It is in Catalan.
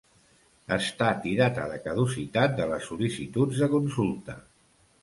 Estat i data de caducitat de les sol·licituds de consulta.